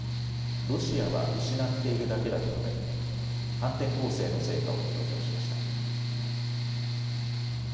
ロシアは失っているだけだと述べ、反転攻勢の成果を強調しました。